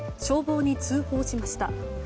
消防に通報しました。